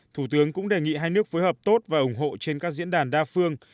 thủ tướng cũng đề nghị hai nước phối hợp tốt và ủng hộ trên các diễn đàn đa phương